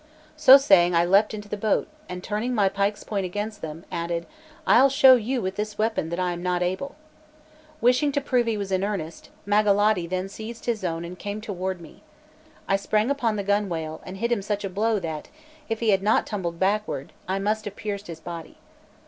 So saying I leapt into the boat, and turning my pike's point against them, added: "I'll show you with this weapon that I am not able." Wishing to prove he was in earnest, Magalotti then seized his own and came toward me. I sprang upon the gunwale and hit him such a blow, that, if he had not tumbled backward, I must have pierced his body.